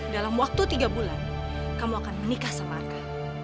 dalam waktu tiga bulan kamu akan menikah sama arka